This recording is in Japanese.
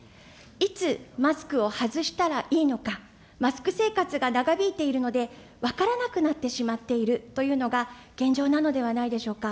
いつ、マスクを外したらいいのか、マスク生活が長引いているので、分からなくなってしまっているというのが現状なのではないでしょうか。